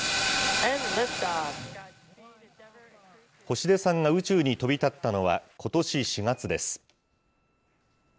星出さんが宇宙に飛び立ったのはことし４月です。